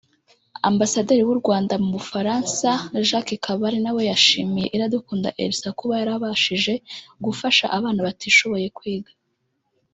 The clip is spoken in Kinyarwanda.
Ambasaderi w’u Rwanda mu Bufaransa Jacque Kabale nawe yashimiye Iradukunda Elsa kuba yarabashije gufasha abana batishoboye kwiga